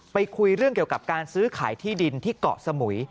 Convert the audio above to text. คุยเรื่องเกี่ยวกับการซื้อขายที่ดินที่เกาะสมุย